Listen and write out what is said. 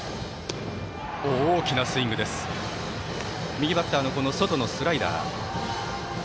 右バッターの外のスライダー。